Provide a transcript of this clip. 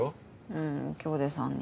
うん今日で３人。